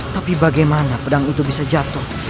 tapi bagaimana pedang itu bisa jatuh